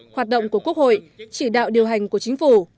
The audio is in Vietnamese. hoạt động của quốc hội chỉ đạo điều hành của chính phủ